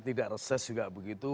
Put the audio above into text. tidak reses juga begitu